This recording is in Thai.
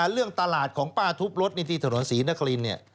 เรื่องตลาดของป้าทุบรถนี่ที่ถนนศรีนครินเนี่ย